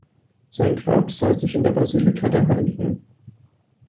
Sein Grab soll sich in der Basilika der hll.